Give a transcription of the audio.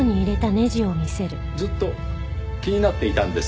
ずっと気になっていたんですよ。